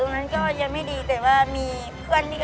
เราก็เลยอ่ะลองมาที่นี่